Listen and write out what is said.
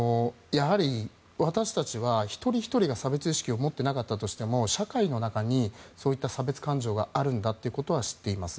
やはり私たちは一人ひとりが差別意識を持っていなかったとしても社会の中にそういった差別感情があるんだということは知っています。